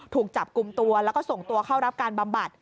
ถูกจับกลุ่มตัวแล้วก็ส่งตัวเข้ารับการบำบัด